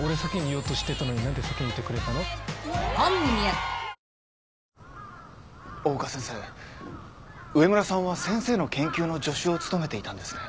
めん話つづけて大岡先生上村さんは先生の研究の助手を務めていたんですね？